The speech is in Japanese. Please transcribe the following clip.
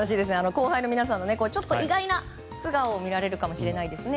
後輩の皆さんのちょっと意外な素顔を見られるかもしれませんね。